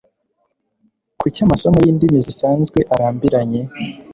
Kuki amasomo yindimi zisanzwe arambiranye?